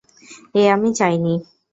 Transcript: এ আমি চাইনি।